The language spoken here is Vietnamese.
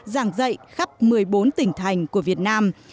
giảng dạy khắp một mươi bốn tỉnh thành của việt nam